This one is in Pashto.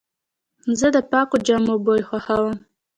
زه د پاکو جامو بوی خوښوم.